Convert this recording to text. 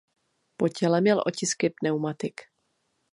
Po těle měl otisky pneumatik.